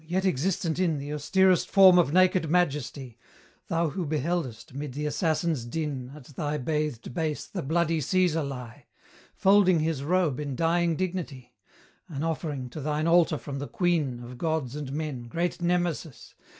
yet existent in The austerest form of naked majesty, Thou who beheldest, mid the assassins' din, At thy bathed base the bloody Caesar lie, Folding his robe in dying dignity, An offering to thine altar from the queen Of gods and men, great Nemesis!